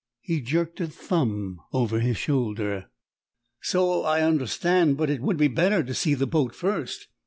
He jerked a thumb over his shoulder. "So I understand, but it would be better to see the boat first."